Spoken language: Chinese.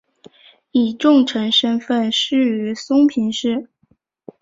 以重臣身份仕于松平氏。